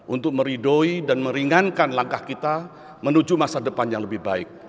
untuk meridoi dan meringankan langkah kita menuju masa depan yang lebih baik